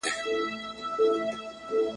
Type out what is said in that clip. او کوښښ کوي چي د ده شعر !.